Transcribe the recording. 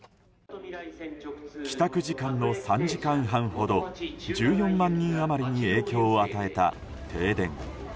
帰宅時間の３時間半ほど１４万人余りに影響を与えた停電。